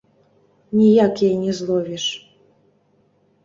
Ніяк яе не зловіш.